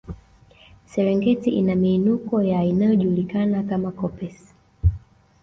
Serengeti ina miinuko ya inayojulikana kama koppes